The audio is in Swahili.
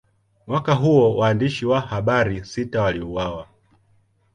Mwaka huo, waandishi wa habari sita waliuawa.